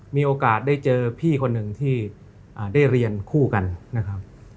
มีโอกาสได้เจอพี่คนหนึ่งที่ได้เรียนคู่กันนะครับ